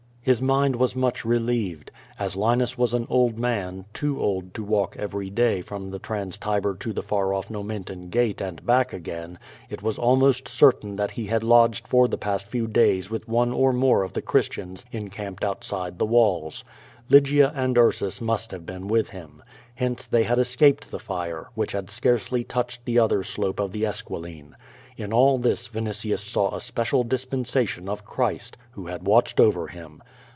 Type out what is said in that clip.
His mind was much relieved. As Linus was an old man, too old to walk every day from the Trans Tiber to the far off Nomentan gate and back again, it was almost certain that he had lodged for the past few days with one or more of the Christians encamped outside the walls. Lygia and Ursus must have been with him. Hence they had escaped the fire, which had scarcely touched the other slope of the Esquiline. In all this Vinitius saw a special dispensation of Christ, who had watched over him.